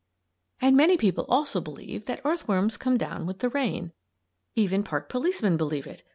] And many people also believe that earthworms come down with the rain. Even park policemen believe it.